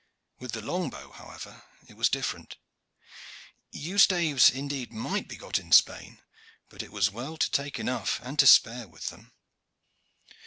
With the long bow, however, it was different. Yew staves indeed might be got in Spain, but it was well to take enough and to spare with them.